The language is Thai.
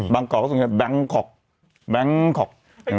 บางกอกสำหรับบางกอกบางกอก